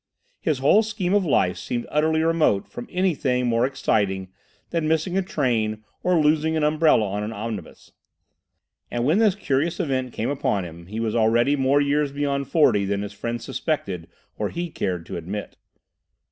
His whole scheme of life seemed utterly remote from anything more exciting than missing a train or losing an umbrella on an omnibus. And when this curious event came upon him he was already more years beyond forty than his friends suspected or he cared to admit.